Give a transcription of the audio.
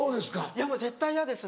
いやもう絶対嫌ですね。